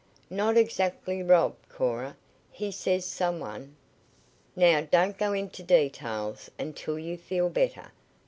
"Not exactly rob, Cora. He says some one " "Now don't go into details until you feel better.